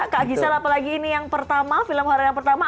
kak gisela apalagi ini yang pertama film horror yang pertama